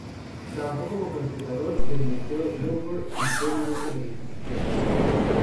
Trabajó como conservador del Museo del Louvre y fue miembro del Instituto de Francia.